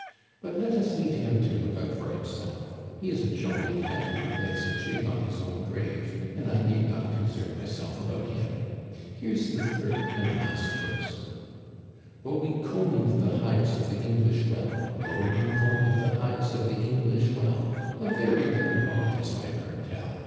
But let us leave him to look out for himself. He is a jolly lad who would dance a jig on his own grave, and I need not concern myself about him. Here's the third and last verse :*• Oh, we combed the hides of the English well (repeat), A very bad lot, as I've heard tell